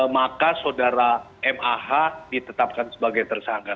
maka saudara mah ditetapkan sebagai tersangka